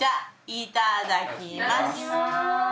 いただきます。